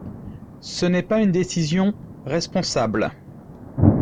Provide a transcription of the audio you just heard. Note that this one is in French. Ce n’est pas une décision responsable.